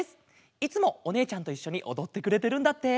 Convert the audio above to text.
いつもおねえちゃんといっしょにおどってくれてるんだって。